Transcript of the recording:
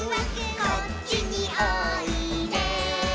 「こっちにおいで」